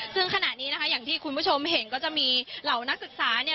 ซึ่งขณะนี้นะคะอย่างที่คุณผู้ชมเห็นก็จะมีเหล่านักศึกษาเนี่ย